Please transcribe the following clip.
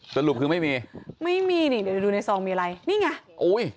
สรุปคือไม่มีไม่มีนี่เดี๋ยวดูในซองมีอะไรนี่ไงอุ้ย